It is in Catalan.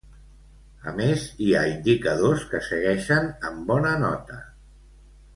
A més, hi ha indicadors que segueixen amb bona nota.